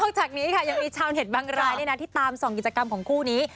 จากนี้ค่ะยังมีชาวเน็ตบางรายที่ตามส่องกิจกรรมของคู่นี้